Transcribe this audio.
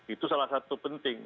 itu salah satu penting